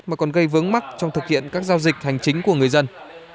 mà còn gây vướng mắt trong thực hiện các giao dịch hành chính của người dân